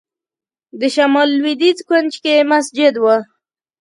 د شمال لوېدیځ کونج کې مسجد و.